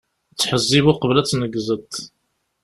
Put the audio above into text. Ttḥezzib uqbel ad tneggzeḍ.